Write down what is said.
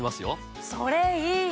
それいい！